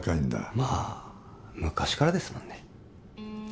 まあ昔からですもんね